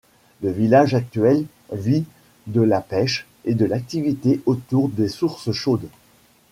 Le village actuel vit de la pêche et de l'activité autour des sources chaudes.